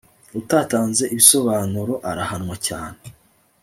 utatanze ibisobanuro arahanwa cyane